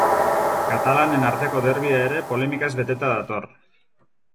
Katalanen arteko derbia ere polemikaz beteta dator.